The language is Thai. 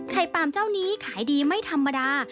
ปามเจ้านี้ขายดีไม่ธรรมดา